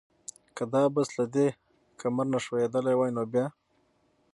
که دا بس له دې کمر نه ښویېدلی وای نو بیا؟